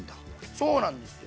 そうなんですよ。